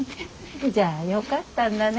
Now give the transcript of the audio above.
じゃあよかったんだね